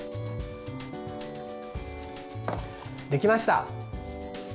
できました。